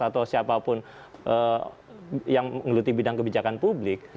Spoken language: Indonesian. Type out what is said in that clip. atau siapapun yang menggeluti bidang kebijakan publik